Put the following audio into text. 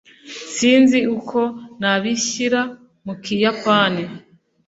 Sinzi uko nabishyira mu Kiyapani.